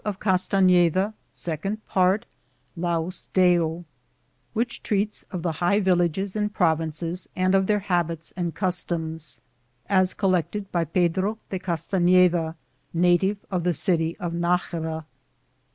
r,z«j I:, Google SECOND PART Which Treats of the High Villages and Provinces and of their Habits and Customs, as Collected bt Pedbo de CastaSeda, Native of the City of Najaba.